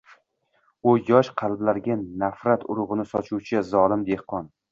U yosh qalblarga nafrat urug‘ini sochuvchi zolim dehqon.